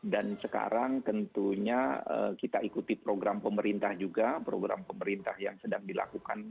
dan sekarang tentunya kita ikuti program pemerintah juga program pemerintah yang sedang dilakukan